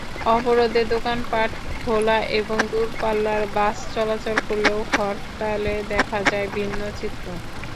অবরোধে দোকানপাট খোলা এবং দূরপাল্লার বাস চলাচল করলেও হরতালে দেখা যায় ভিন্ন চিত্র।